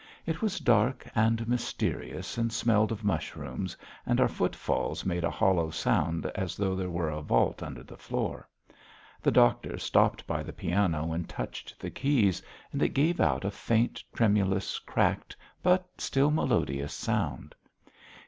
It was dark and mysterious and smelled of mushrooms, and our footsteps made a hollow sound as though there were a vault under the floor. The doctor stopped by the piano and touched the keys and it gave out a faint, tremulous, cracked but still melodious sound.